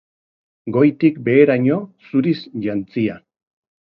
Goitik beheraino zuriz jantzia.